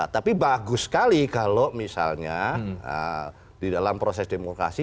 tapi bagus sekali kalau misalnya di dalam proses demokrasi